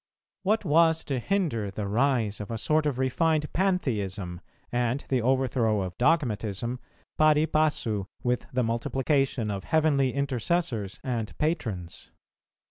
What was to hinder the rise of a sort of refined Pantheism, and the overthrow of dogmatism pari passu with the multiplication of heavenly intercessors and patrons?